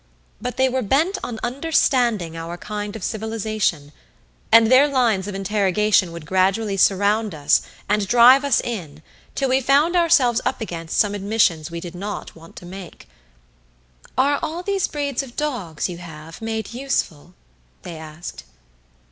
But they were bent on understanding our kind of civilization, and their lines of interrogation would gradually surround us and drive us in till we found ourselves up against some admissions we did not want to make. "Are all these breeds of dogs you have made useful?" they asked.